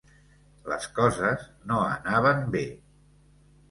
Les coses no anaven bé.